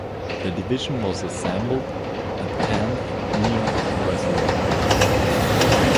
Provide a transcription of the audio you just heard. The division was assembled at Kanth near Breslau.